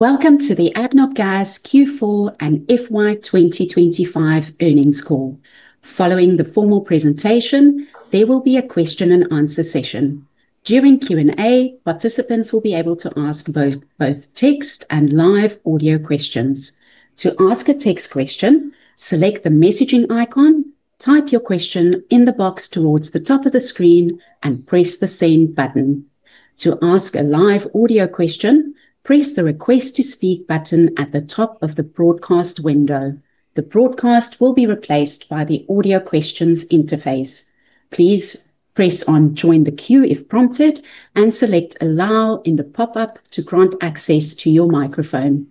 Welcome to the ADNOC Gas Q4 and FY 2025 earnings call. Following the formal presentation, there will be a question-and-answer session. During Q&A, participants will be able to ask both text and live audio questions. To ask a text question, select the messaging icon, type your question in the box towards the top of the screen, and press the Send button. To ask a live audio question, press the Request to speak button at the top of the broadcast window. The broadcast will be replaced by the audio questions interface. Please press on Join the Queue if prompted, and select Allow in the pop-up to grant access to your microphone.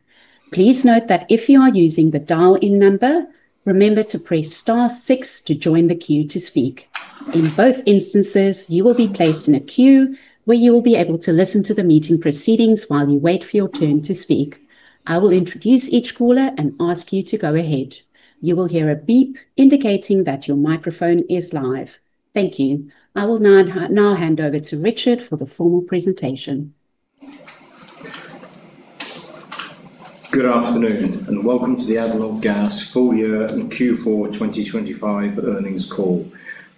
Please note that if you are using the dial-in number, remember to press star six to join the queue to speak. In both instances, you will be placed in a queue where you will be able to listen to the meeting proceedings while you wait for your turn to speak. I will introduce each caller and ask you to go ahead. You will hear a beep indicating that your microphone is live. Thank you. I will now hand over to Richard for the formal presentation. Good afternoon, and welcome to the ADNOC Gas full year and Q4 2025 earnings call.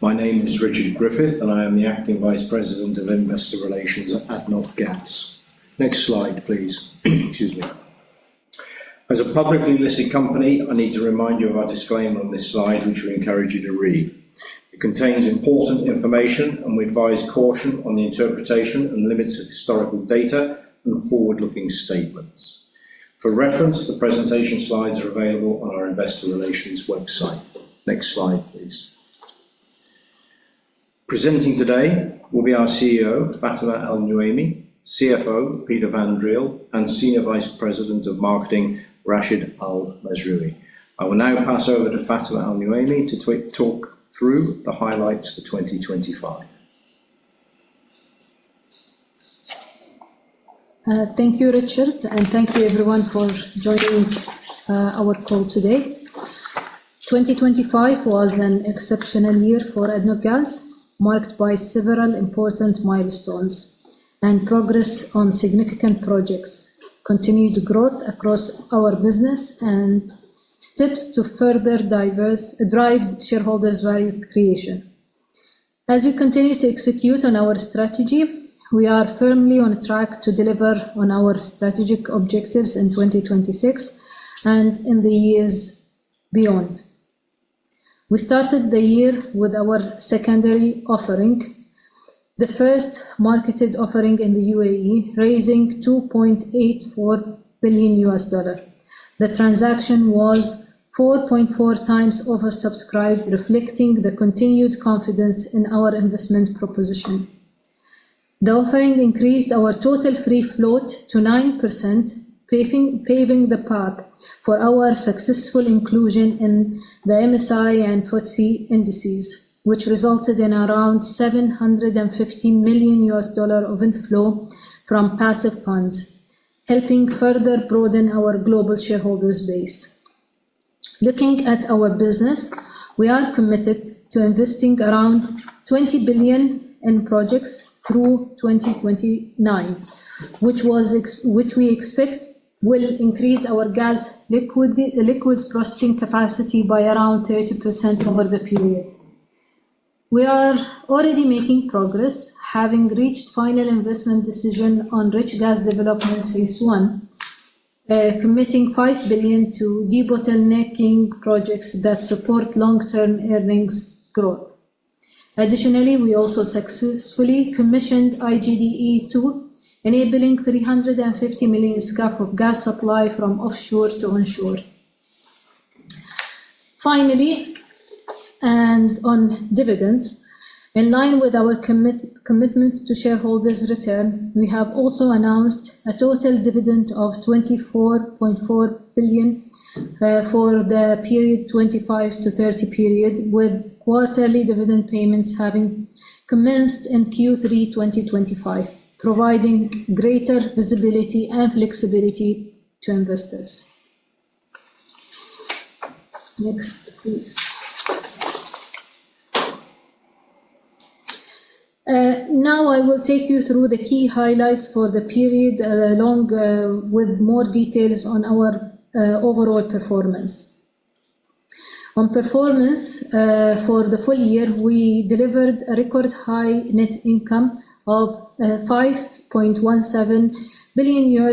My name is Richard Griffith, and I am the Acting Vice President of Investor Relations at ADNOC Gas. Next slide, please. Excuse me. As a publicly listed company, I need to remind you of our disclaimer on this slide, which we encourage you to read. It contains important information, and we advise caution on the interpretation and limits of historical data and forward-looking statements. For reference, the presentation slides are available on our investor relations website. Next slide, please. Presenting today will be our CEO, Fatema Al Nuaimi, CFO, Peter van Driel, and Senior Vice President of Marketing, Rashid Al Mazrouei. I will now pass over to Fatema Al Nuaimi to talk through the highlights for 2025. Thank you, Richard, and thank you everyone for joining our call today. 2025 was an exceptional year for ADNOC Gas, marked by several important milestones and progress on significant projects, continued growth across our business, and steps to further drive shareholders' value creation. As we continue to execute on our strategy, we are firmly on track to deliver on our strategic objectives in 2026 and in the years beyond. We started the year with our secondary offering, the first marketed offering in the UAE, raising $2.84 billion. The transaction was 4.4x oversubscribed, reflecting the continued confidence in our investment proposition. The offering increased our total free float to 9%, paving the path for our successful inclusion in the MSCI and FTSE indices, which resulted in around $750 million of inflow from passive funds, helping further broaden our global shareholders base. Looking at our business, we are committed to investing around $20 billion in projects through 2029, which we expect will increase our gas liquids processing capacity by around 30% over the period. We are already making progress, having reached final investment decision on Rich Gas Development Phase 1, committing $5 billion to debottlenecking projects that support long-term earnings growth. Additionally, we also successfully commissioned IGD-E2, enabling 350 million SCF of gas supply from offshore to onshore. Finally, and on dividends, in line with our commitment to shareholders' return, we have also announced a total dividend of $24.4 billion for the period 2025-2030, with quarterly dividend payments having commenced in Q3 2025, providing greater visibility and flexibility to investors. Next, please. Now I will take you through the key highlights for the period, along with more details on our overall performance. On performance, for the full year, we delivered a record-high net income of $5.17 billion,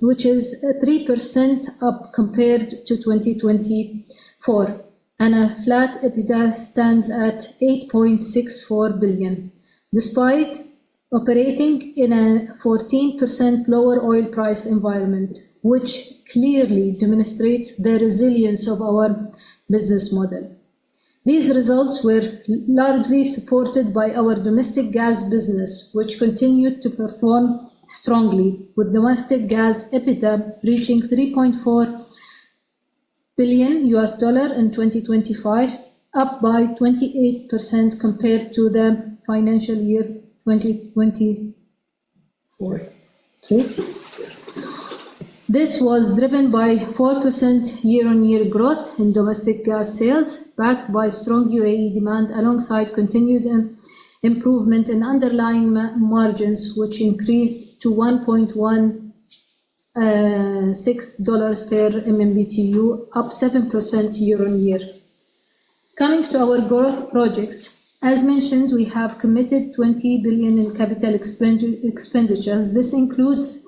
which is 3% up compared to 2024, and a flat EBITDA stands at $8.64 billion, despite operating in a 14% lower oil price environment, which clearly demonstrates the resilience of our business model. These results were largely supported by our domestic gas business, which continued to perform strongly, with domestic gas EBITDA reaching $3.4 billion in 2025, up by 28% compared to the financial year 2024 Q2. This was driven by 4% year-on-year growth in domestic gas sales, backed by strong UAE demand, alongside continued improvement in underlying margins, which increased to $1.16 per MMBtu, up 7% year-on-year. Coming to our growth projects, as mentioned, we have committed $20 billion in capital expenditures. This includes,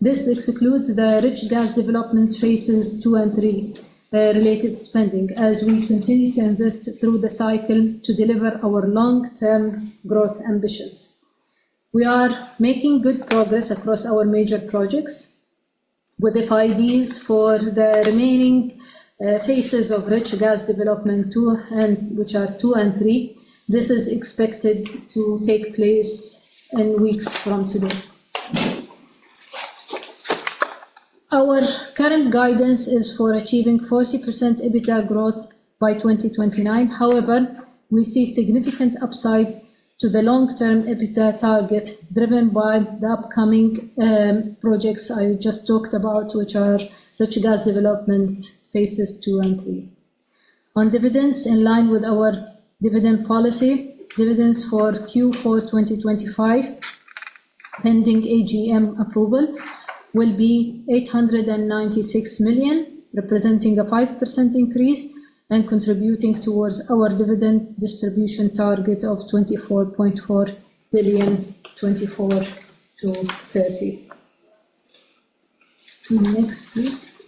this excludes the Rich Gas Development Phases 2 and 3, related spending as we continue to invest through the cycle to deliver our long-term growth ambitions. We are making good progress across our major projects, with the FIDs for the remaining phases of Rich Gas Development 2, which are 2 and 3. This is expected to take place in weeks from today. Our current guidance is for achieving 40% EBITDA growth by 2029. However, we see significant upside to the long-term EBITDA target, driven by the upcoming projects I just talked about, which are Rich Gas Development Phases 2 and 3. On dividends, in line with our dividend policy, dividends for Q4 2025, pending AGM approval, will be $896 million, representing a 5% increase and contributing towards our dividend distribution target of $24.4 billion, 2024-2030. Next, please.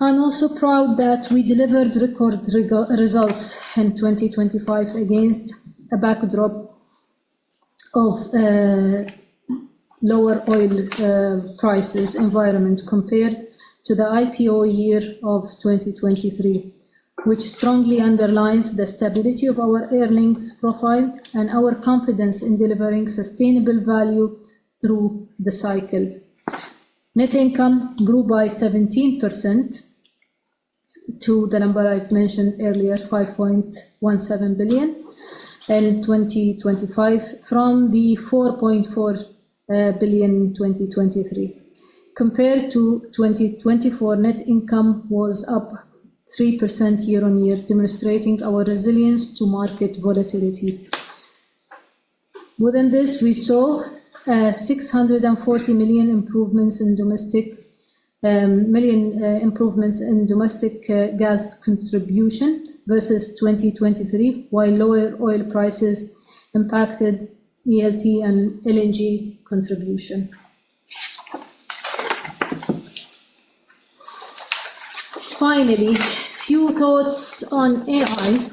I'm also proud that we delivered record results in 2025 against a backdrop of lower oil prices environment compared to the IPO year of 2023, which strongly underlines the stability of our earnings profile and our confidence in delivering sustainable value through the cycle. Net income grew by 17% to the number I mentioned earlier, $5.17 billion in 2025, from the $4.4 billion in 2023. Compared to 2024, net income was up 3% year-on-year, demonstrating our resilience to market volatility. Within this, we saw $640 million improvements in domestic gas contribution versus 2023, while lower oil prices impacted ELT and LNG contribution. Finally, a few thoughts on AI.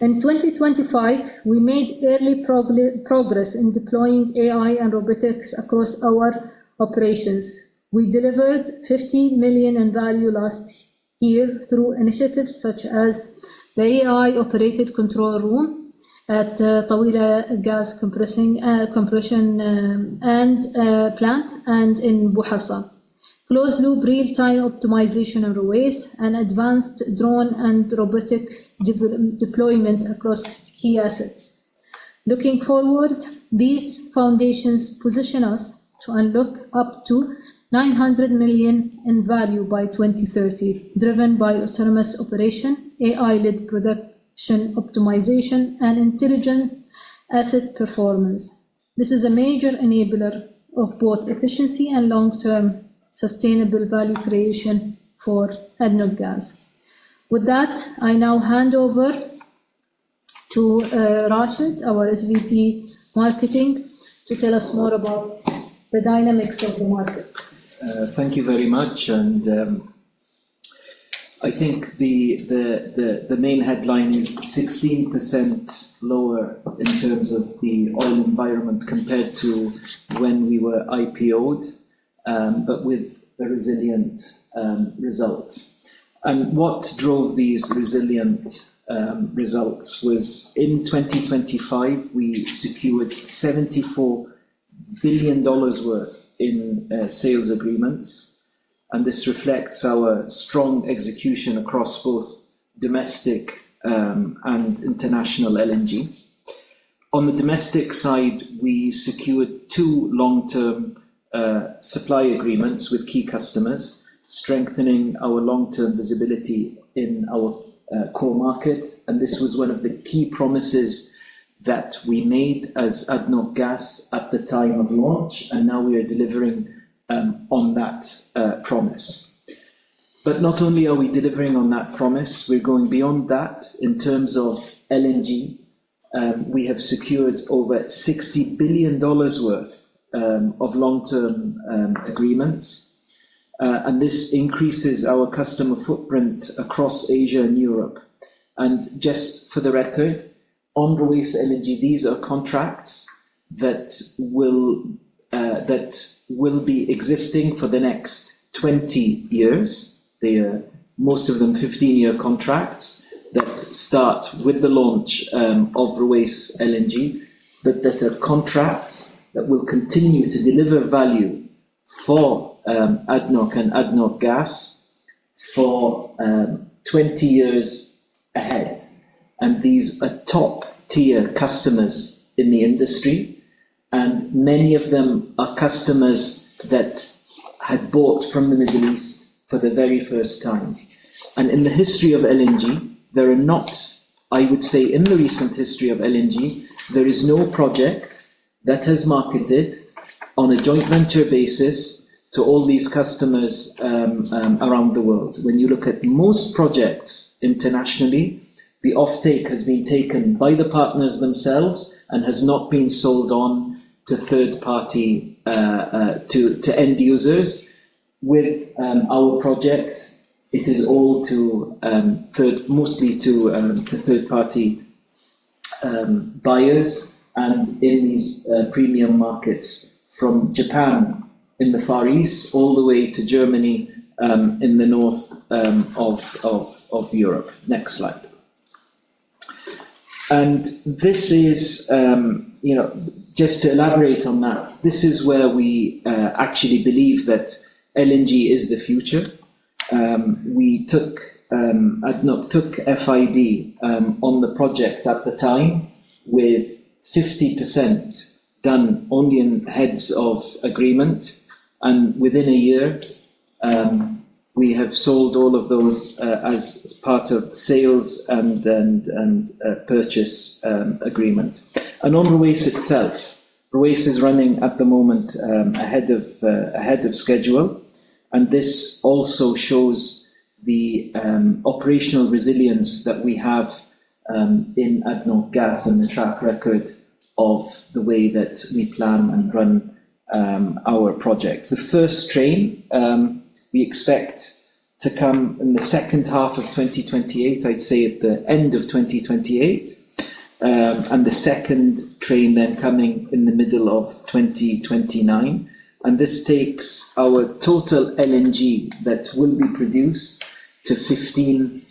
In 2025, we made early progress in deploying AI and robotics across our operations. We delivered $50 million in value last year through initiatives such as the AI-operated control room at Taweelah Gas Compression Plant and in Bu Hasa, closed-loop real-time optimization on Ruwais, and advanced drone and robotics deployment across key assets. Looking forward, these foundations position us to unlock up to $900 million in value by 2030, driven by autonomous operation, AI-led production optimization, and intelligent asset performance. This is a major enabler of both efficiency and long-term sustainable value creation for ADNOC Gas. With that, I now hand over to Rashid, our SVP Marketing, to tell us more about the dynamics of the market. Thank you very much. And I think the main headline is 16% lower in terms of the oil environment compared to when we were IPO'd, but with a resilient result. And what drove these resilient results was, in 2025, we secured $74 billion worth in sales agreements, and this reflects our strong execution across both domestic and international LNG. On the domestic side, we secured two long-term supply agreements with key customers, strengthening our long-term visibility in our core market, and this was one of the key promises that we made as ADNOC Gas at the time of launch, and now we are delivering on that promise. But not only are we delivering on that promise, we're going beyond that in terms of LNG. We have secured over $60 billion worth of long-term agreements, and this increases our customer footprint across Asia and Europe. Just for the record, on Ruwais LNG, these are contracts that will, that will be existing for the next 20 years. They are most of them 15-year contracts that start with the launch of Ruwais LNG, but that are contracts that will continue to deliver value for ADNOC and ADNOC Gas for 20 years ahead. These are top-tier customers in the industry, and many of them are customers that had bought from the Middle East for the very first time. In the history of LNG, there are not, I would say, in the recent history of LNG, there is no project that has marketed on a joint venture basis to all these customers around the world. When you look at most projects internationally, the offtake has been taken by the partners themselves and has not been sold on to third-party to end users. With our project, it is all to third- mostly to third-party buyers, and in these premium markets from Japan in the Far East, all the way to Germany in the north of Europe. Next slide. And this is, you know, just to elaborate on that, this is where we actually believe that LNG is the future. ADNOC took FID on the project at the time, with 50% done only in heads of agreement, and within a year, we have sold all of those as part of sales and purchase agreement. And on Ruwais itself, Ruwais is running at the moment ahead of schedule, and this also shows the operational resilience that we have in ADNOC Gas and the track record of the way that we plan and run our projects. The first train we expect to come in the second half of 2028, I'd say at the end of 2028. And the second train then coming in the middle of 2029, and this takes our total LNG that will be produced to 15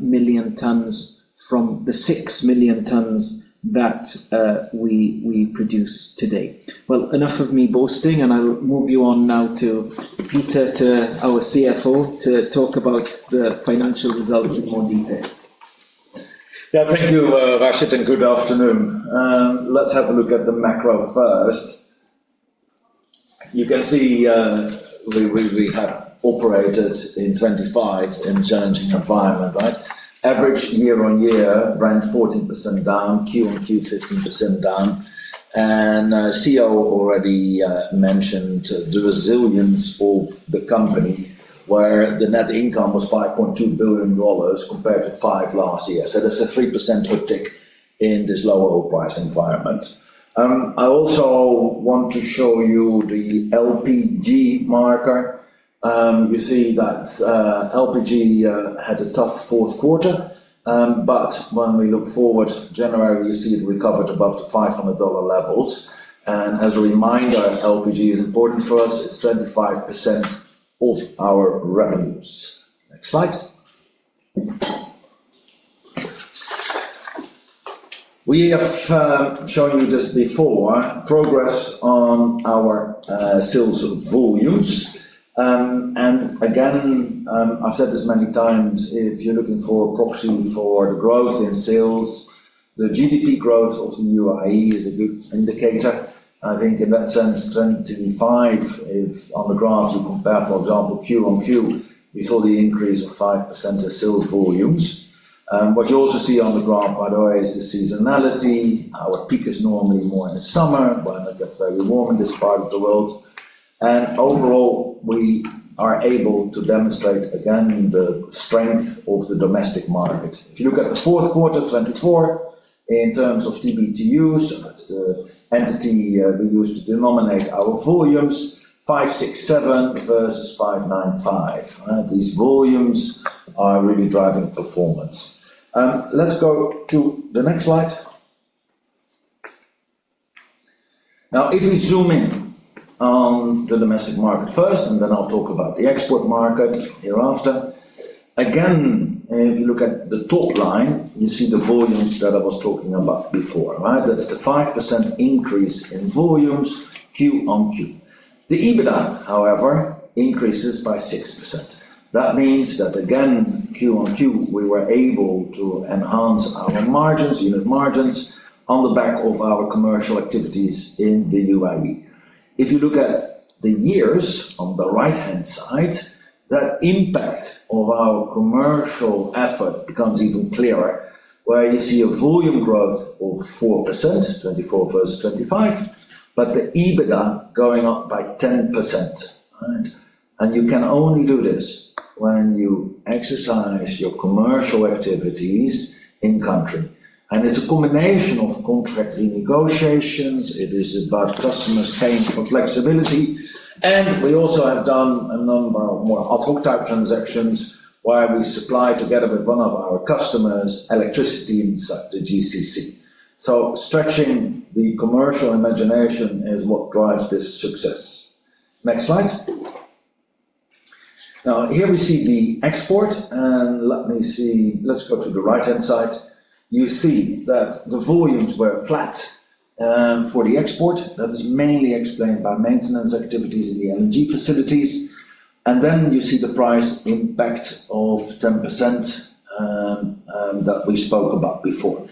million tons from the 6 million tons that we produce today. Well, enough of me boasting, and I'll move you on now to Peter, to our CFO, to talk about the financial results in more detail. Yeah. Thank you, Rashid, and good afternoon. Let's have a look at the macro first. You can see, we have operated in 2025 in challenging environment, right? Average year-on-year, Brent 14% down, Q-on-Q, 15% down, and CEO already mentioned the resilience of the company, where the net income was $5.2 billion compared to $5 billion last year. So that's a 3% uptick in this lower oil price environment. I also want to show you the LPG market. You see that, LPG had a tough fourth quarter, but when we look forward, January, you see it recovered above the $500 levels. As a reminder, LPG is important for us. It's 25% of our revenues. Next slide. We have shown you this before, progress on our sales volumes. And again, I've said this many times, if you're looking for a proxy for the growth in sales, the GDP growth of the UAE is a good indicator. I think in that sense, 25 is, on the graph, you compare, for example, Q-on-Q, we saw the increase of 5% of sales volumes. What you also see on the graph, by the way, is the seasonality. Our peak is normally more in the summer, when it gets very warm in this part of the world. Overall, we are able to demonstrate again the strength of the domestic market. If you look at the fourth quarter 2024, in terms of TBtu, so that's the unit we use to denominate our volumes, 567 versus 595, these volumes are really driving performance. Let's go to the next slide. Now, if we zoom in on the domestic market first, and then I'll talk about the export market hereafter. Again, if you look at the top line, you see the volumes that I was talking about before, right? That's the 5% increase in volumes, quarter-on-quarter. The EBITDA, however, increases by 6%. That means that, again, quarter-on-quarter, we were able to enhance our margins, unit margins, on the back of our commercial activities in the UAE. If you look at the years on the right-hand side, that impact of our commercial effort becomes even clearer, where you see a volume growth of 4%, 2024 versus 2025, but the EBITDA going up by 10%. Right? And you can only do this when you exercise your commercial activities in country, and it's a combination of contracting negotiations, it is about customers paying for flexibility, and we also have done a number of more ad hoc type transactions, where we supply together with one of our customers, electricity inside the GCC. So stretching the commercial imagination is what drives this success. Next slide. Now, here we see the export, and let me see. Let's go to the right-hand side. You see that the volumes were flat, for the export. That is mainly explained by maintenance activities in the LNG facilities. Then you see the price impact of 10%, that we spoke about before.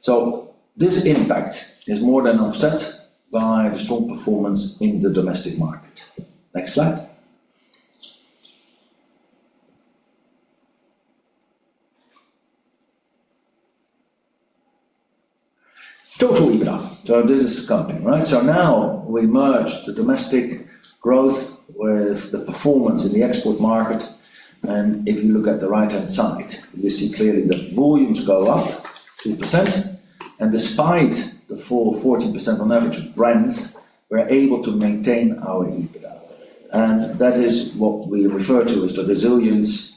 So this impact is more than offset by the strong performance in the domestic market. Next slide. Total EBITDA. So this is the company, right? So now we merge the domestic growth with the performance in the export market, and if you look at the right-hand side, you see clearly that volumes go up 2%, and despite the fall of 14% on average of Brent, we're able to maintain our EBITDA. And that is what we refer to as the resilience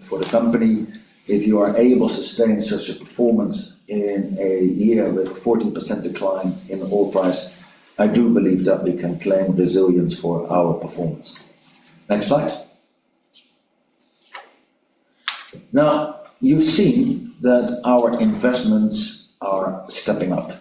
for the company. If you are able to sustain such a performance in a year with a 14% decline in the oil price, I do believe that we can claim resilience for our performance. Next slide. Now, you've seen that our investments are stepping up.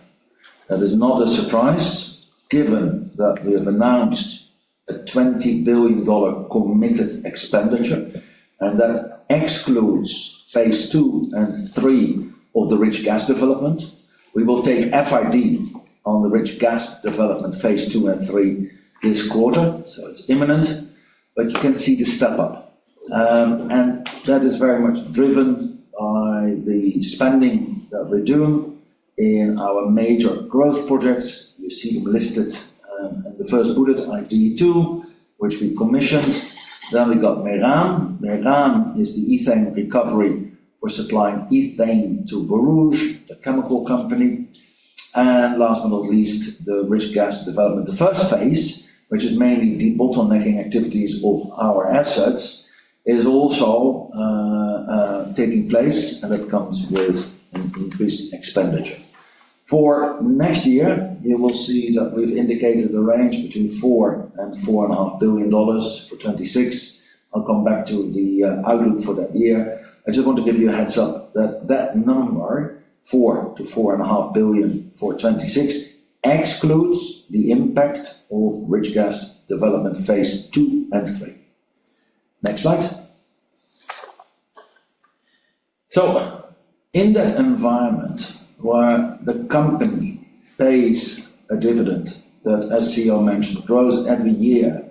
That is not a surprise, given that we have announced a $20 billion committed expenditure, and that excludes phase two and three of the Rich Gas Development. We will take FID on the Rich Gas Development Phase 2 and 3 this quarter, so it's imminent. But you can see the step up. And that is very much driven by the spending that we do in our major growth projects. You see them listed, and the first bullet, IGD-E2, which we commissioned. Then we got MERAM. MERAM is the ethane recovery for supplying ethane to Borouge, the chemical company, and last but not least, the Rich Gas Development. The first phase, which is mainly the debottlenecking activities of our assets, is also taking place, and that comes with an increased expenditure. For next year, you will see that we've indicated a range between $4-$4.5 billion for 2026. I'll come back to the outlook for that year. I just want to give you a heads-up that that number, $4 billion-$4.5 billion for 2026, excludes the impact of Rich Gas Development Phase 2 and 3. Next slide. So in that environment where the company pays a dividend that, as CEO mentioned, grows every year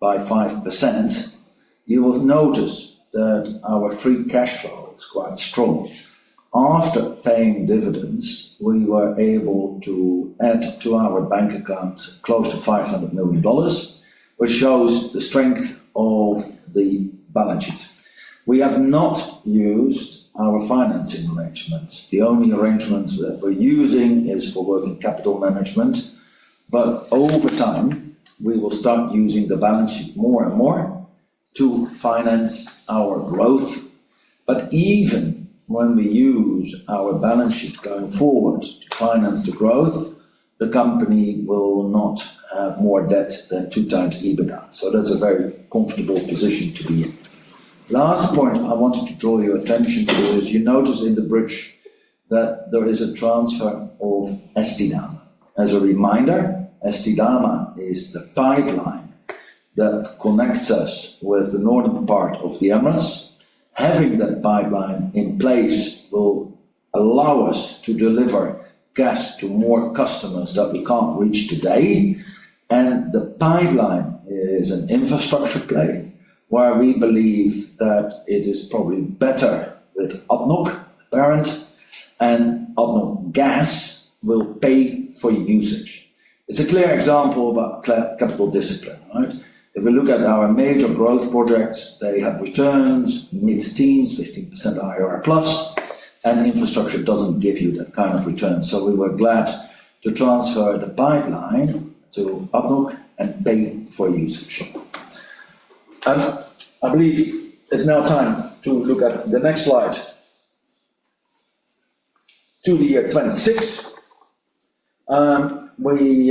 by 5%, you will notice that our free cash flow is quite strong. After paying dividends, we were able to add to our bank accounts close to $500 million, which shows the strength of the balance sheet. We have not used our financing arrangements. The only arrangements that we're using is for working capital management, but over time, we will start using the balance sheet more and more to finance our growth. But even when we use our balance sheet going forward to finance the growth, the company will not have more debt than 2x EBITDA. So that's a very comfortable position to be in. Last point I wanted to draw your attention to is, you notice in the bridge that there is a transfer of ESTIDAMA. As a reminder, ESTIDAMA is the pipeline that connects us with the northern part of the Emirates. Having that pipeline in place will allow us to deliver gas to more customers that we can't reach today, and the pipeline is an infrastructure play, where we believe that it is probably better that ADNOC, the parent, and ADNOC Gas will pay for usage. It's a clear example about capital discipline, right? If we look at our major growth projects, they have returns, mid-teens, 15% IRR plus, and infrastructure doesn't give you that kind of return. So we were glad to transfer the pipeline to ADNOC and pay for usage. And I believe it's now time to look at the next slide. To the year 2026, we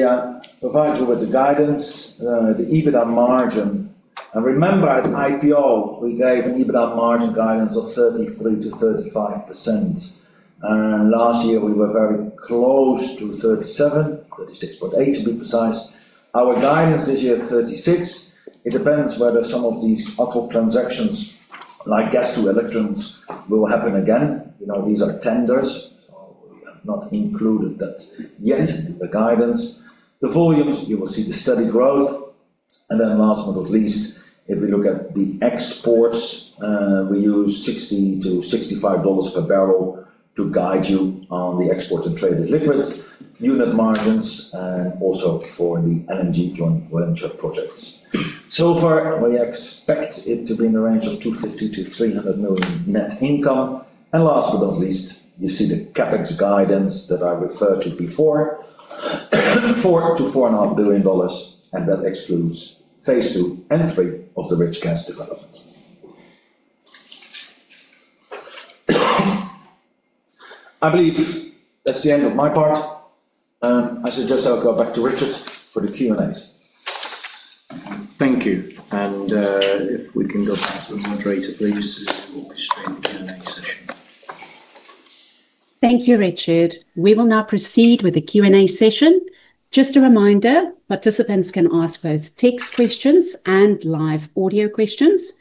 provided you with the guidance, the EBITDA margin. And remember, at IPO, we gave an EBITDA margin guidance of 33%-35%. And last year we were very close to 37%, 36.8%, to be precise. Our guidance this year, 36%. It depends whether some of these other transactions, like gas to electrons, will happen again. You know, these are tenders, so we have not included that yet in the guidance. The volumes, you will see the steady growth, and then last but not least, if we look at the exports, we use $60 per bbl-$65 per bbl to guide you on the export and traded liquids, unit margins, and also for the LNG joint venture projects. So far, we expect it to be in the range of $250 million-$300 million net income. And last but not least, you see the CapEx guidance that I referred to before, $4 billion-$4.5 billion, and that excludes phase two and three of the Rich Gas Development. I believe that's the end of my part, and I suggest I'll go back to Richard for the Q&As. Thank you, and, if we can go back to the moderator, please, we'll be straight into Q&A session. Thank you, Richard. We will now proceed with the Q&A session. Just a reminder, participants can ask both text questions and live audio questions.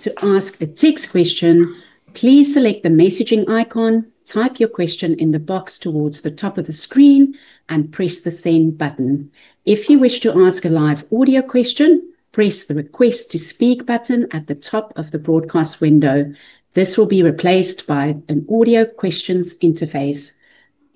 To ask a text question, please select the messaging icon, type your question in the box towards the top of the screen, and press the Send button. If you wish to ask a live audio question, press the Request to Speak button at the top of the broadcast window. This will be replaced by an audio questions interface.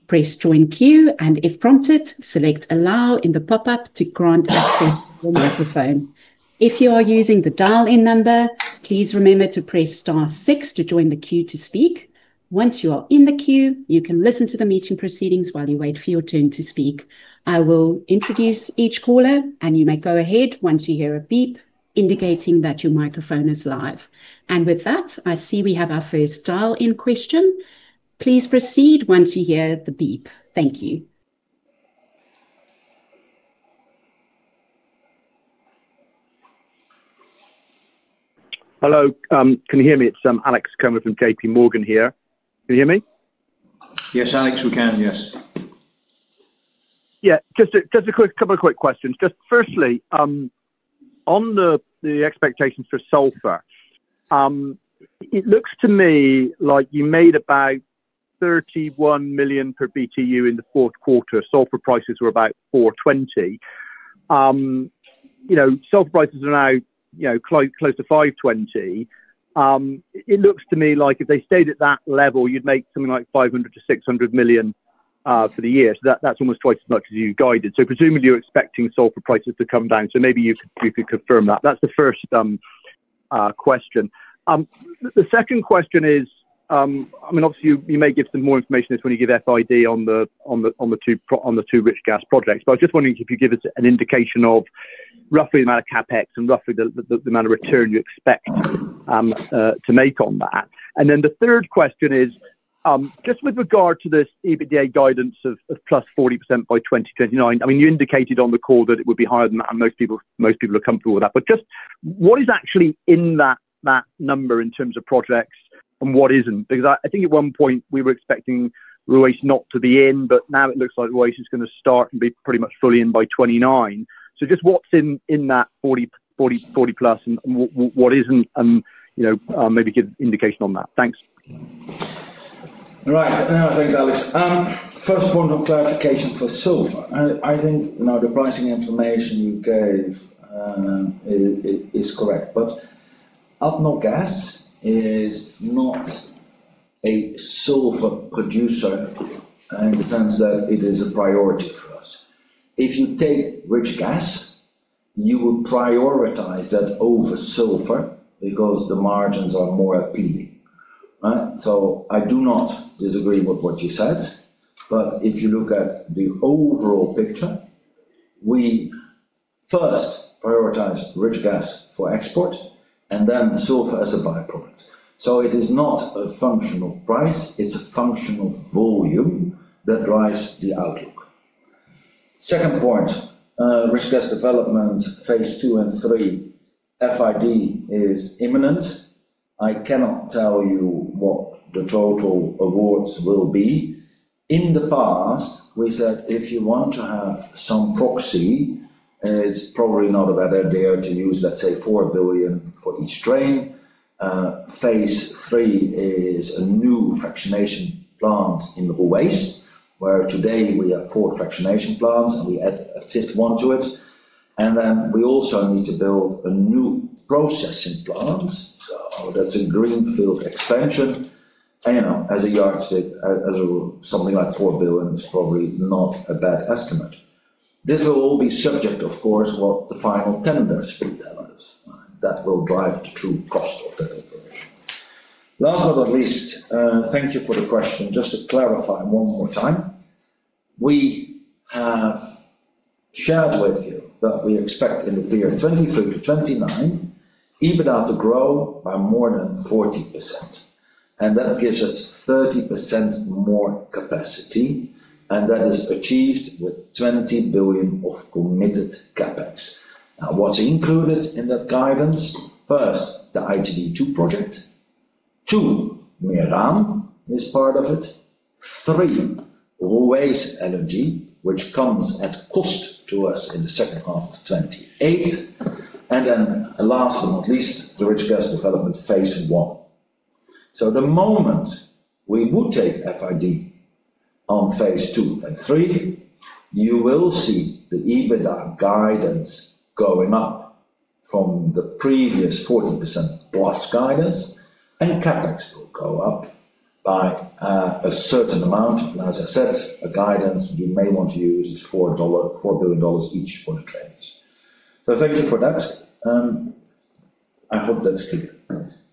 Press Join Queue, and if prompted, select Allow in the pop-up to grant access to your microphone. If you are using the dial-in number, please remember to press star six to join the queue to speak. Once you are in the queue, you can listen to the meeting proceedings while you wait for your turn to speak. I will introduce each caller, and you may go ahead once you hear a beep indicating that your microphone is live. With that, I see we have our first dial-in question. Please proceed once you hear the beep. Thank you. Hello, can you hear me? It's Alex Comer from JPMorgan here. Can you hear me? Yes, Alex, we can. Yes. Yeah, just a quick couple of quick questions. Just firstly, on the expectations for sulfur, it looks to me like you made about $31 million per BTU in the fourth quarter. Sulfur prices were about $420. You know, sulfur prices are now, you know, close to $520. It looks to me like if they stayed at that level, you'd make something like $500 million-$600 million for the year. So that's almost twice as much as you guided. So presumably, you're expecting sulfur prices to come down, so maybe you could confirm that. That's the first question. The second question is, I mean, obviously, you may give some more information as when you give FID on the two rich gas projects. But I was just wondering if you could give us an indication of roughly the amount of CapEx and roughly the amount of return you expect to make on that. And then the third question is just with regard to this EBITDA guidance of +40% by 2029, I mean, you indicated on the call that it would be higher than that, and most people, most people are comfortable with that. But just what is actually in that number in terms of projects and what isn't? Because I think at one point we were expecting Ruwais not to be in, but now it looks like Ruwais is gonna start and be pretty much fully in by 2029. So just what's in that 40+, and what isn't? And, you know, maybe give an indication on that. Thanks. Right. No, thanks, Alex. First point of clarification for sulfur. I think now the pricing information you gave is correct, but ADNOC Gas is not a sulfur producer in the sense that it is a priority for us. If you take rich gas, you will prioritize that over sulfur because the margins are more appealing, right? So I do not disagree with what you said, but if you look at the overall picture, we first prioritize rich gas for export and then sulfur as a by-product. So it is not a function of price, it's a function of volume that drives the outlook. Rich Gas Development Phase 2 and 3, fid is imminent. I cannot tell you what the total awards will be. In the past, we said if you want to have some proxy, it's probably not a bad idea to use, let's say, $4 billion for each train. Phase 3 is a new fractionation plant in Ruwais, where today we have four fractionation plants, and we add a fifth one to it. Then we also need to build a new processing plant. That's a greenfield expansion, and, you know, as a yardstick, as, as something like $4 billion is probably not a bad estimate. This will all be subject, of course, what the final tenders will tell us. That will drive the true cost of that operation. Last but not least, thank you for the question. Just to clarify one more time, we have shared with you that we expect in the year 2023-2029, EBITDA to grow by more than 40%, and that gives us 30% more capacity, and that is achieved with $20 billion of committed CapEx. Now, what's included in that guidance? First, the IGD-E2 project. Two, MERAM is part of it. Three, Ruwais LNG, which comes at cost to us in the second half of 2028. And then last but not least, the Rich Gas Development Phase 1. So the moment we would take FID on Phase 2 and 3, you will see the EBITDA guidance going up from the previous 40% plus guidance, and CapEx will go up by a certain amount. As I said, a guidance you may want to use is four billion dollars each for the trains. So thank you for that. I hope that's clear.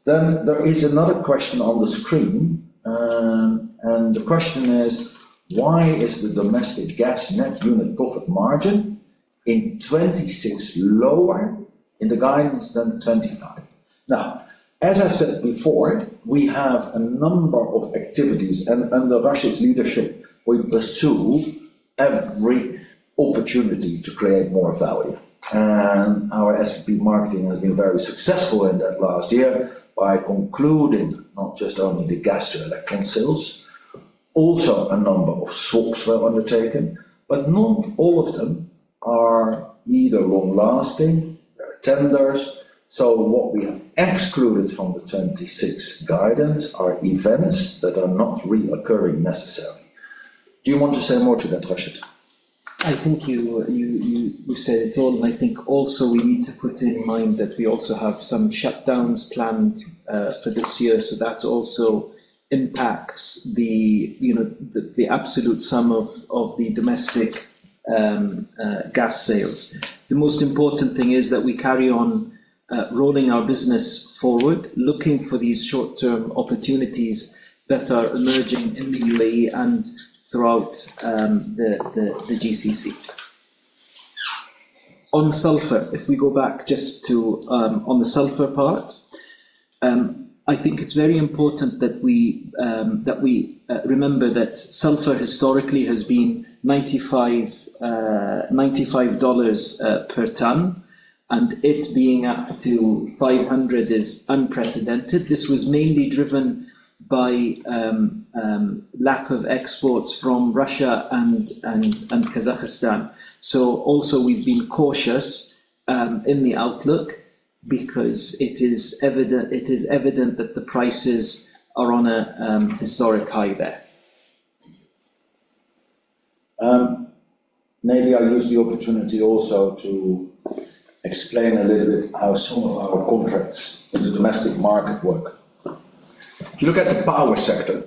Then there is another question on the screen, and the question is: Why is the domestic gas net unit profit margin in 2026 lower in the guidance than 2025? Now, as I said before, we have a number of activities, and, under Rashid's leadership, we pursue every opportunity to create more value. And our sales and marketing has been very successful in that last year by concluding not just only the gas to electric sales, also a number of swaps were undertaken, but not all of them are either long-lasting, they are tenders. So what we have excluded from the 2026 guidance are events that are not recurring necessarily. Do you want to say more to that, Rashid? I think you said it all, and I think also we need to put in mind that we also have some shutdowns planned for this year. So that also impacts the, you know, the absolute sum of the domestic gas sales. The most important thing is that we carry on rolling our business forward, looking for these short-term opportunities that are emerging in the UAE and throughout the GCC. On sulfur, if we go back just to on the sulfur part, I think it's very important that we remember that sulfur historically has been $95 per ton, and it being up to $500 is unprecedented. This was mainly driven by lack of exports from Russia and Kazakhstan. Also we've been cautious in the outlook because it is evident, it is evident that the prices are on a historic high there. Maybe I'll use the opportunity also to explain a little bit how some of our contracts in the domestic market work. If you look at the power sector,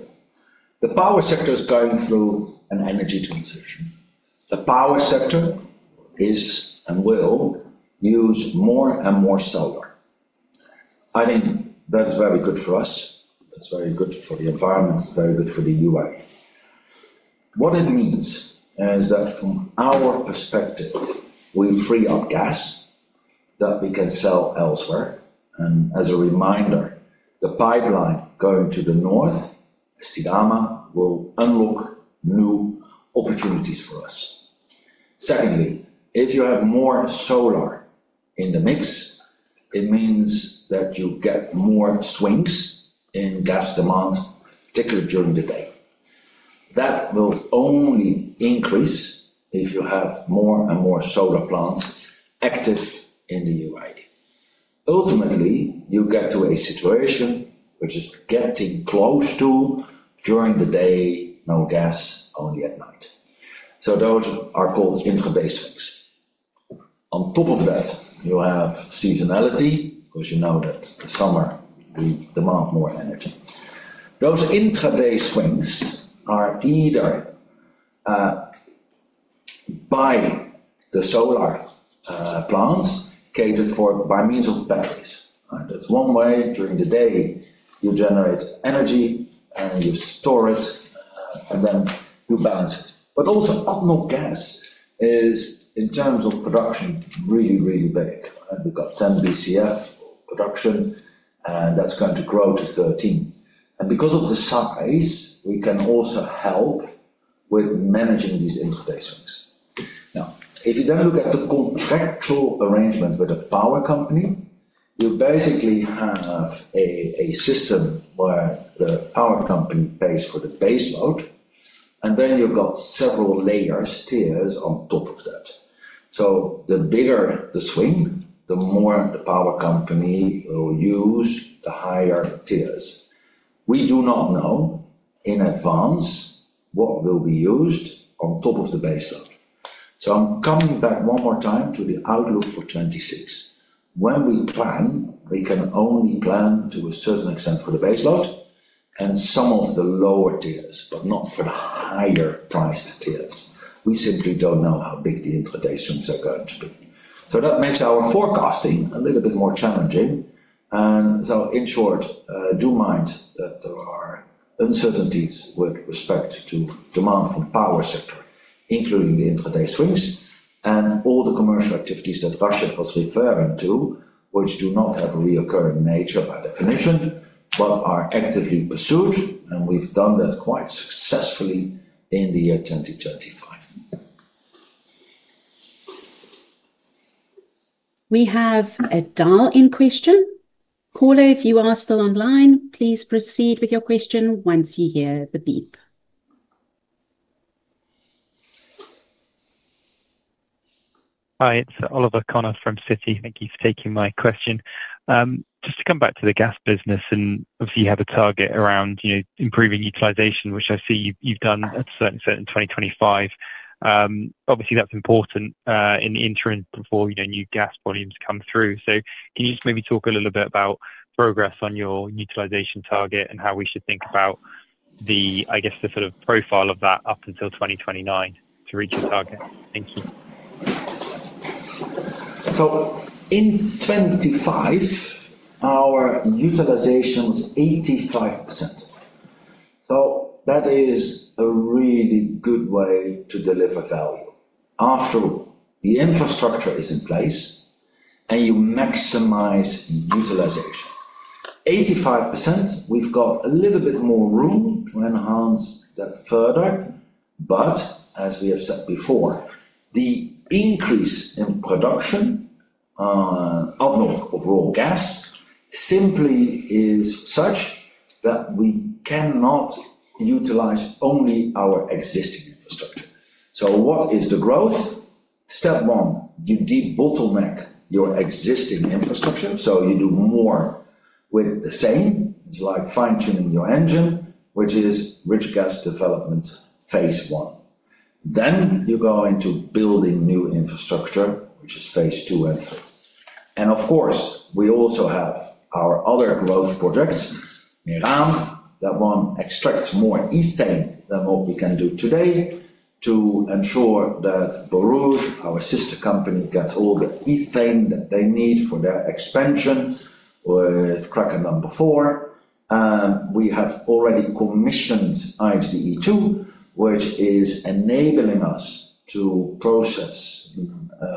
the power sector is going through an energy transition. The power sector is, and will use more and more solar. I think that's very good for us, that's very good for the environment, it's very good for the UAE. What it means is that from our perspective, we free up gas that we can sell elsewhere, and as a reminder, the pipeline going to the north, ESTIDAMA, will unlock new opportunities for us. Secondly, if you have more solar in the mix, it means that you get more swings in gas demand, particularly during the day. That will only increase if you have more and more solar plants active in the UAE. Ultimately, you get to a situation which is getting close to, during the day, no gas, only at night. So those are called intraday swings. On top of that, you have seasonality, because you know that the summer we demand more energy. Those intraday swings are either by the solar plants, catered for by means of batteries, and that's one way during the day you generate energy, and you store it, and then you balance it. But also, Abu Dhabi Gas is, in terms of production, really, really big, and we've got 10 BCF production, and that's going to grow to 13. And because of the size, we can also help with managing these intraday swings. Now, if you then look at the contractual arrangement with the power company, you basically have a system where the power company pays for the base load, and then you've got several layers, tiers on top of that. So the bigger the swing, the more the power company will use the higher tiers. We do not know in advance what will be used on top of the base load. So I'm coming back one more time to the outlook for 2026. When we plan, we can only plan to a certain extent for the base load and some of the lower tiers, but not for the higher-priced tiers. We simply don't know how big the intraday swings are going to be. So that makes our forecasting a little bit more challenging, and so, in short, do mind that there are uncertainties with respect to demand from the power sector, including the intraday swings and all the commercial activities that Rashid was referring to, which do not have a recurring nature by definition, but are actively pursued, and we've done that quite successfully in the year 2025. We have a dial-in question. Caller, if you are still online, please proceed with your question once you hear the beep. Hi, it's Oliver Connor from Citi. Thank you for taking my question. Just to come back to the gas business, and obviously, you have a target around, you know, improving utilization, which I see you, you've done a certain set in 2025. Obviously, that's important, in the interim before, you know, new gas volumes come through. So can you just maybe talk a little bit about progress on your utilization target and how we should think about the, I guess, the sort of profile of that up until 2029 to reach the target? Thank you. In 2025, our utilization was 85%. So that is a really good way to deliver value. After all, the infrastructure is in place, and you maximize utilization. 85%, we've got a little bit more room to enhance that further. But as we have said before, the increase in production of raw gas simply is such that we cannot utilize only our existing infrastructure. So what is the growth? Step one, you debottleneck your existing infrastructure, so you do more with the same. It's like fine-tuning your engine, which is Rich Gas Development, Phase 1. Then you go into building new infrastructure, which is Phases 2 and 3. Of course, we also have our other growth projects, MERAM, that one extracts more ethane than what we can do today to ensure that Borouge, our sister company, gets all the ethane that they need for their expansion with cracker number four. We have already commissioned IGD-E2, which is enabling us to process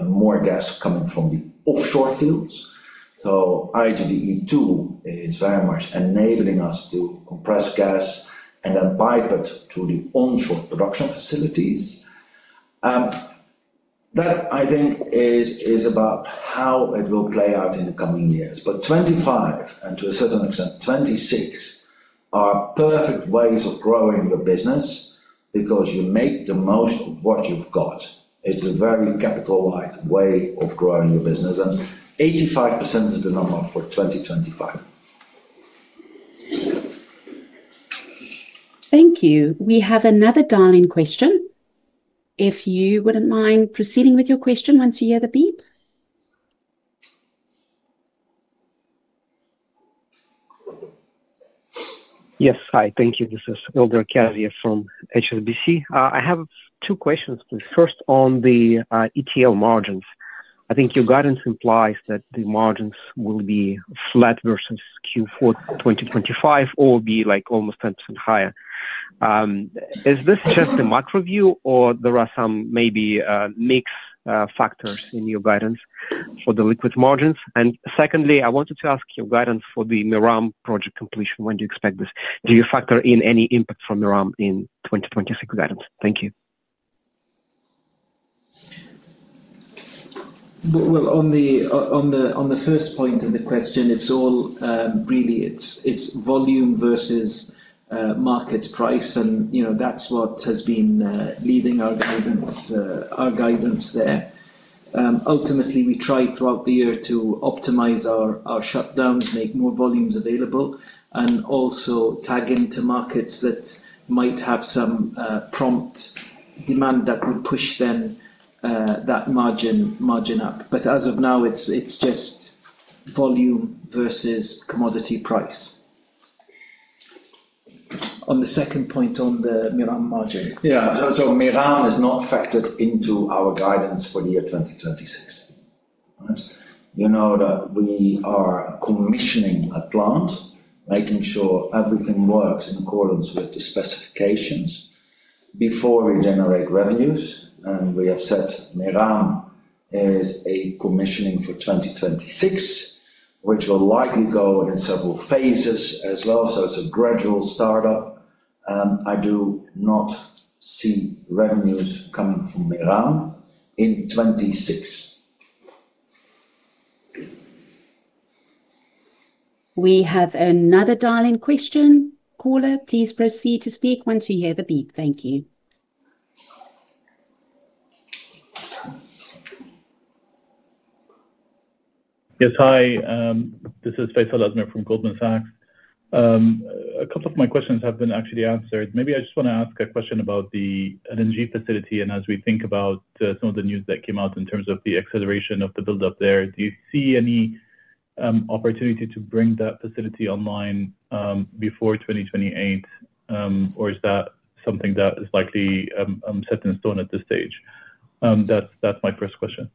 more gas coming from the offshore fields. IGD-E2 is very much enabling us to compress gas and then pipe it to the onshore production facilities. That, I think, is about how it will play out in the coming years. But 2025, and to a certain extent, 2026, are perfect ways of growing your business because you make the most of what you've got. It's a very capital light way of growing your business, and 85% is the number for 2025. Thank you. We have another dial-in question. If you wouldn't mind proceeding with your question once you hear the beep? Yes. Hi, thank you. This is Ildar Khaziev from HSBC. I have two questions. The first on the NGL margins. I think your guidance implies that the margins will be flat versus Q4 2025, or be, like, almost 10% higher. Is this just a macro view, or there are some maybe, mixed factors in your guidance for the liquid margins? And secondly, I wanted to ask your guidance for the MERAM project completion. When do you expect this? Do you factor in any impact from MERAM in 2026 guidance? Thank you. Well, on the first point of the question, it's all. Really, it's volume versus market price, and, you know, that's what has been leading our guidance there. Ultimately, we try throughout the year to optimize our shutdowns, make more volumes available, and also tap into markets that might have some prompt demand that would push that margin up. But as of now, it's just volume versus commodity price. On the second point, on the MERAM margin. Yeah. So, MERAM is not factored into our guidance for the year 2026, right? You know that we are commissioning a plant, making sure everything works in accordance with the specifications before we generate revenues. And we have said MERAM is a commissioning for 2026, which will likely go in several phases as well, so it's a gradual startup. I do not see revenues coming from MERAM in 2026. We have another dial-in question. Caller, please proceed to speak once you hear the beep. Thank you. Yes. Hi, this is Faisal Al-Azmeh from Goldman Sachs. A couple of my questions have been actually answered. Maybe I just want to ask a question about the LNG facility, and as we think about some of the news that came out in terms of the acceleration of the build-up there, do you see any opportunity to bring that facility online before 2028? Or is that something that is likely set in stone at this stage? That's my first question.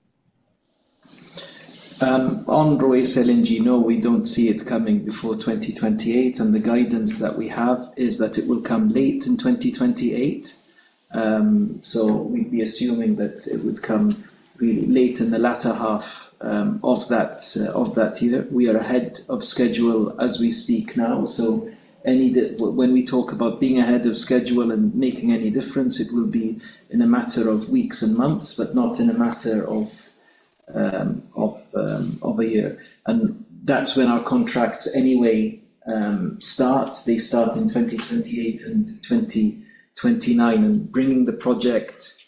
On Ruwais LNG, no, we don't see it coming before 2028, and the guidance that we have is that it will come late in 2028. So we'd be assuming that it would come really late in the latter half of that year. We are ahead of schedule as we speak now, so any day—when we talk about being ahead of schedule and making any difference, it will be in a matter of weeks and months, but not in a matter of a year. And that's when our contracts anyway start. They start in 2028 and 2029, and bringing the project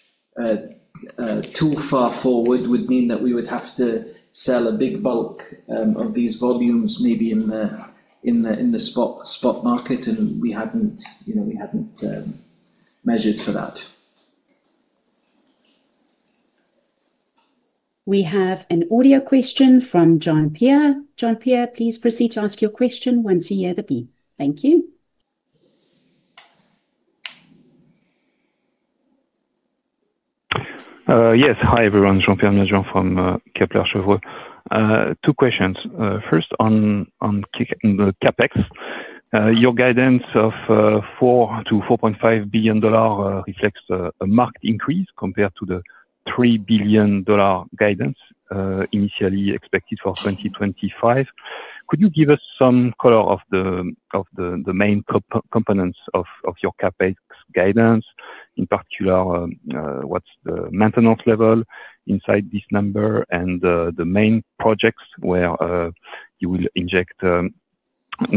too far forward would mean that we would have to sell a big bulk of these volumes, maybe in the spot market, and we hadn't, you know, measured for that. We have an audio question from Jean-Pierre. Jean-Pierre, please proceed to ask your question once you hear the beep. Thank you. Yes. Hi, everyone, Jean-Pierre Ané from Kepler Cheuvreux. Two questions. First on the CapEx. Your guidance of $4 billion-$4.5 billion reflects a marked increase compared to the $3 billion guidance initially expected for 2025. Could you give us some color on the main components of your CapEx guidance, in particular, what's the maintenance level inside this number, and the main projects where you will inject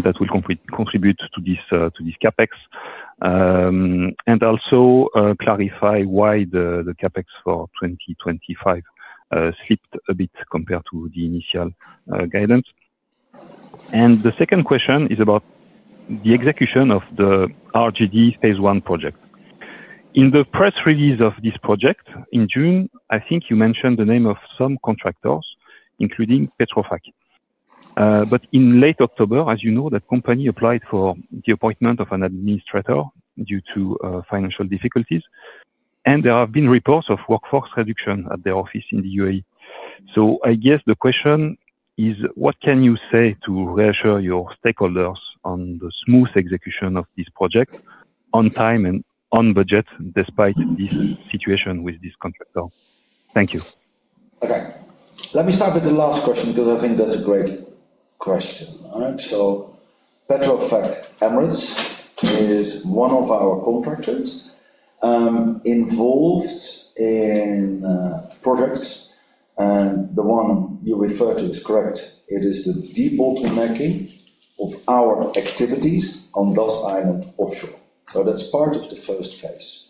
that will contribute to this CapEx? And also, clarify why the CapEx for 2025 slipped a bit compared to the initial guidance. The second question is about the execution of the RGD Phase 1 project. In the press release of this project, in June, I think you mentioned the name of some contractors, including Petrofac. But in late October, as you know, that company applied for the appointment of an administrator due to financial difficulties, and there have been reports of workforce reduction at their office in the UAE. So I guess the question is: what can you say to reassure your stakeholders on the smooth execution of this project on time and on budget, despite this situation with this contractor? Thank you. Okay. Let me start with the last question, because I think that's a great question. All right? So Petrofac Emirates is one of our contractors, involved in projects, and the one you refer to is correct. It is the debottlenecking of our activities on Das Island offshore. So that's part of the first phase.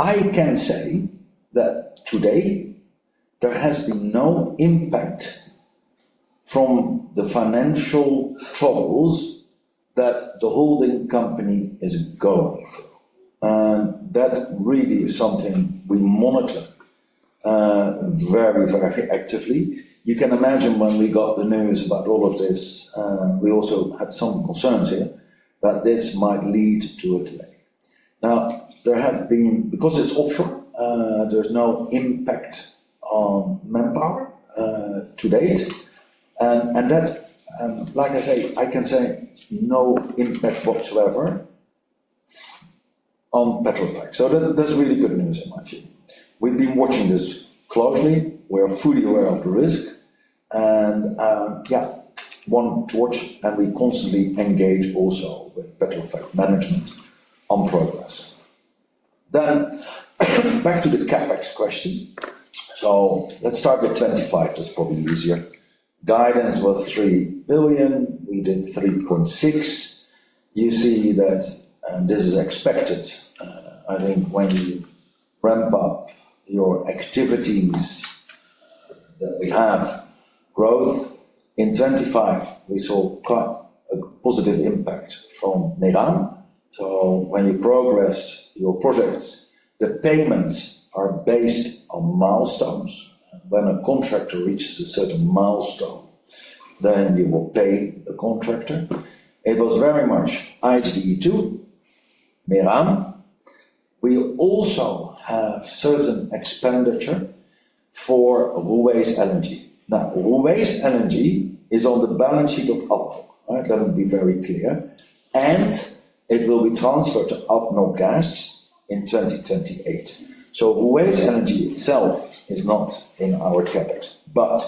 I can say that today there has been no impact from the financial troubles that the holding company is going through, and that really is something we monitor very, very actively. You can imagine when we got the news about all of this, we also had some concerns here that this might lead to a delay. Now, because it's offshore, there's no impact on manpower to date. And that, like I say, I can say no impact whatsoever on Petrofac. So that's really good news, I might say. We've been watching this closely. We are fully aware of the risk and, yeah, one to watch, and we constantly engage also with Petrofac management on progress. Then back to the CapEx question. So let's start with 25, that's probably easier. Guidance was $3 billion, we did $3.6 billion. You see that, and this is expected, I think when you ramp up your activities, that we have growth. In 25, we saw quite a positive impact from MERAM. So when you progress your projects, the payments are based on milestones. When a contractor reaches a certain milestone, then you will pay the contractor. It was very much IGD-E2, MERAM. We also have certain expenditure for Ruwais LNG. Now, Ruwais LNG is on the balance sheet of ADNOC, all right? Let me be very clear, and it will be transferred to ADNOC Gas in 2028. So Ruwais LNG itself is not in our CapEx, but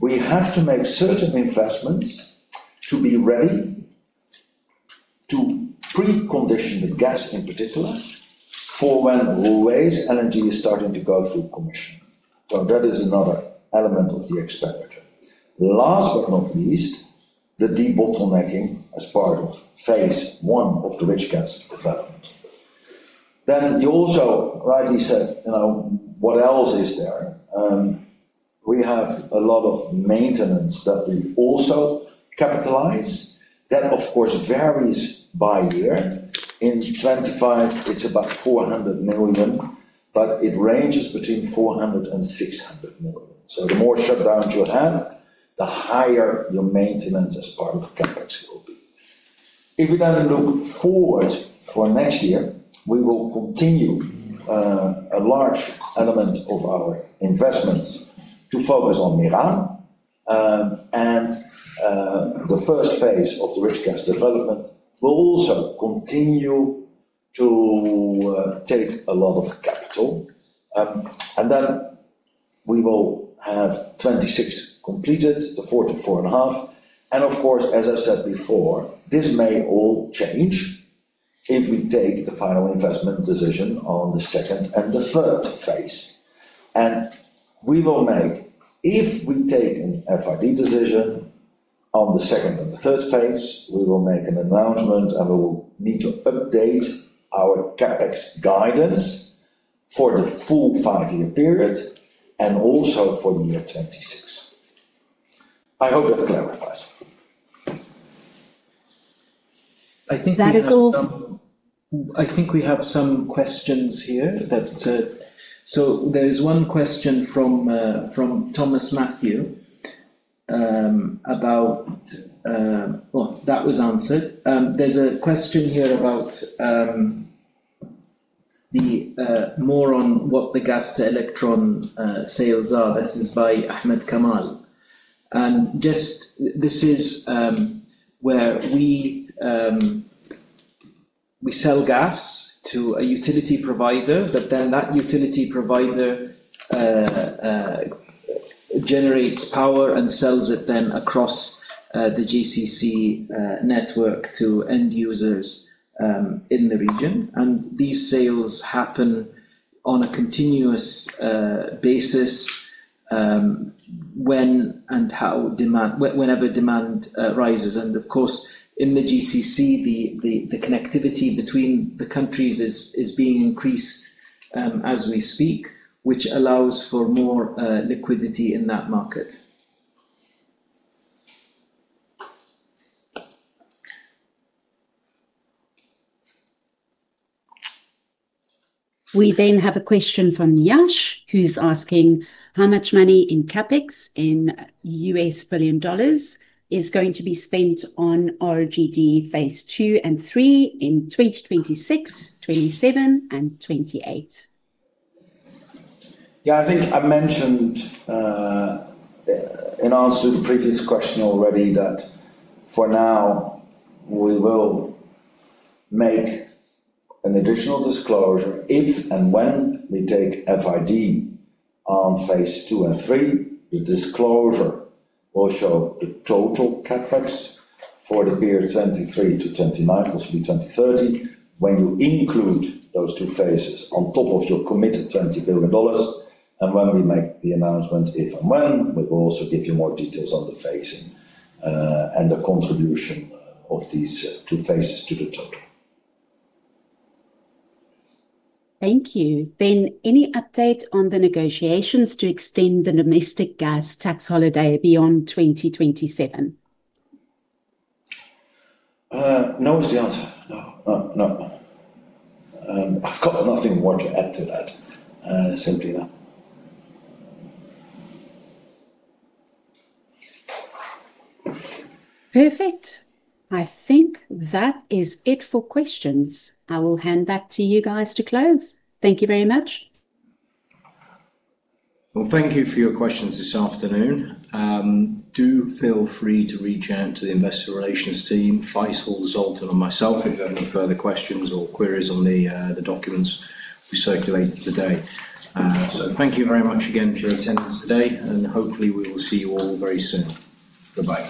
we have to make certain investments to be ready to pre-condition the gas, in particular, for when Ruwais LNG is starting to go through commission. So that is another element of the expenditure. Last but not least, the debottlenecking as part of phase one of the Rich Gas Development. Then you also rightly said, you know, what else is there? We have a lot of maintenance that we also capitalize. That, of course, varies by year. In 2025, it's about $400 million, but it ranges between $400 million and $600 million. So the more shutdowns you have, the higher your maintenance as part of CapEx will be. If we then look forward for next year, we will continue a large element of our investments to focus on MERAM. The first phase of the Rich Gas Development will also continue to take a lot of capital. Then we will have 2026 completed, the $4 billion-$4.5 billion. Of course, as I said before, this may all change if we take the final investment decision on the second and the third phase. If we take an FID decision on the second and the third phase, we will make an announcement, and we will need to update our CapEx guidance for the full five-year period, and also for the year 2026. I hope that clarifies. I think we have some- That is all. I think we have some questions here that. So there is one question from from Thomas Mathew about. Well, that was answered. There's a question here about the more on what the gas-to-electrons sales are. This is by Ahmed Kamal. And just, this is where we we sell gas to a utility provider, but then that utility provider generates power and sells it then across the GCC network to end users in the region. And these sales happen on a continuous basis when and how demand-- whenever demand rises. And of course, in the GCC, the the the connectivity between the countries is is being increased as we speak, which allows for more liquidity in that market. We then have a question from Yash, who's asking: How much money in CapEx in $ billion is going to be spent on RGD Phase 2 and 3 in 2026, 2027, and 2028? Yeah, I think I mentioned in answer to the previous question already, that for now, we will make an additional disclosure if and when we take FID on Phase 2 and 3. The disclosure will show the total CapEx for the period 2023-2029, possibly 2030, when you include those two phases on top of your committed $20 billion. And when we make the announcement, if and when, we will also give you more details on the phasing and the contribution of these two phases to the total. Thank you. Then, any update on the negotiations to extend the domestic gas tax holiday beyond 2027? No is the answer. No. No. I've got nothing more to add to that. Simply that. Perfect. I think that is it for questions. I will hand back to you guys to close. Thank you very much. Well, thank you for your questions this afternoon. Do feel free to reach out to the investor relations team, Faisal, Zsolt, or myself, if you have any further questions or queries on the documents we circulated today. So thank you very much again for your attendance today, and hopefully we will see you all very soon. Bye-bye.